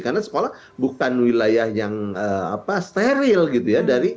karena sekolah bukan wilayah yang steril gitu ya